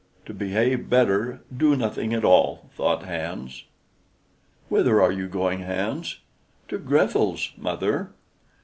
"To behave better, do nothing at all," thought Hans. "Whither are you going, Hans?" "To Grethel's, mother."